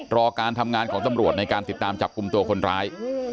รอการทำงานของตำรวจในการติดตามจับกลุ่มตัวคนร้าย